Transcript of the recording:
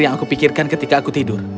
yang aku pikirkan ketika aku tidur